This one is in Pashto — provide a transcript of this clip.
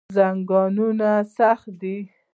زنګونونه سخت دي.